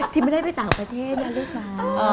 ไม่ได้ไปต่างประเทศนะลูกจ้า